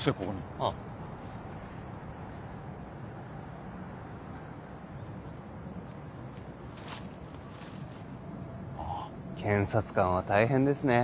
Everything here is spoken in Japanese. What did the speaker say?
ああ検察官は大変ですね